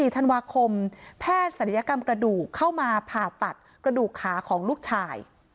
๔ธันวาคมแพทย์ศัลยกรรมกระดูกเข้ามาผ่าตัดกระดูกขาของลูกชาย